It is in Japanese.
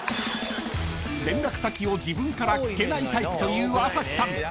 ［連絡先を自分から聞けないタイプという朝日さん］